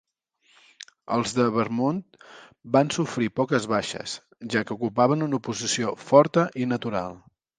Els de Vermont van sofrir poques baixes, ja que ocupaven una posició forta i natural.